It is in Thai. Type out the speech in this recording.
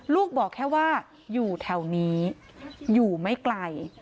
บอกแค่ว่าอยู่แถวนี้อยู่ไม่ไกล